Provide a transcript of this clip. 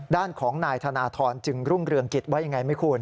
ด้านของนายธนทรจึงรุ่งเรืองกิจว่ายังไงไหมคุณ